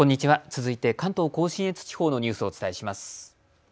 続いて関東甲信越地方のニュースをお伝えします。